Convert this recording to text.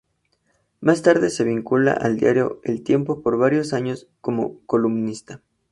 Más tarde se vincula al diario El Tiempo por varios años como columnista.